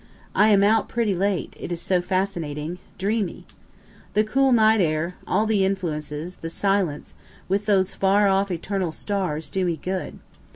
I am out pretty late: it is so fascinating, dreamy. The cool night air, all the influences, the silence, with those far off eternal stars, do me good.